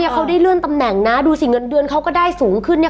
เขาได้เลื่อนตำแหน่งนะดูสิเงินเดือนเขาก็ได้สูงขึ้นเนี่ย